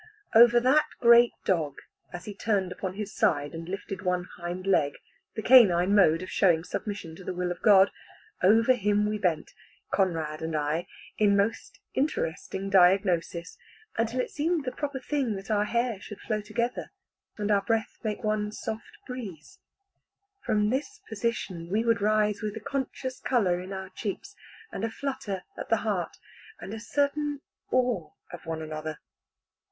Over that great dog, as he turned upon his side, and lifted one hind leg (the canine mode of showing submission to the will of God), over him we bent, Conrad and I, in most interesting diagnosis, until it seemed the proper thing that our hair should flow together, and our breath make one soft breeze. From this position we would rise with a conscious colour in our cheeks, and a flutter at the heart, and a certain awe of one another.